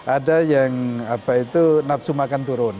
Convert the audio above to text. ada yang apa itu nafsu makan turun